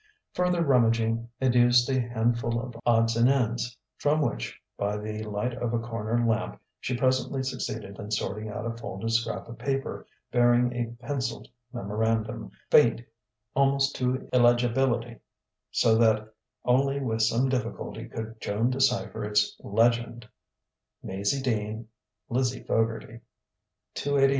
Further rummaging educed a handful of odds and ends, from which, by the light of a corner lamp, she presently succeeded in sorting out a folded scrap of paper bearing a pencilled memorandum, faint almost to illegibility, so that only with some difficulty could Joan decipher its legend: "Maizie Dean (Lizzie Fogarty) 289 W.